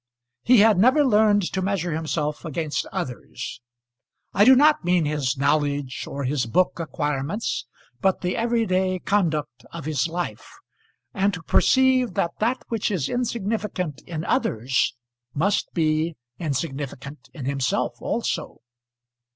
He had never learned to measure himself against others, I do not mean his knowledge or his book acquirements, but the every day conduct of his life, and to perceive that that which is insignificant in others must be insignificant in himself also.